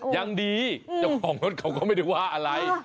ยังดีเจ้าของรถเขาก็ไม่ได้ว่าอะไร